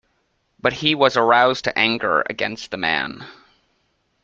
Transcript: But he was aroused to anger against the man.